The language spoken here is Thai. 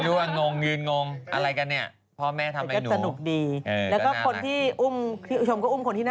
รู้เรื่องไหมหนึ่งโมง